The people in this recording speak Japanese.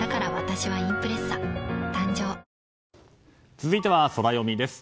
続いてはソラよみです。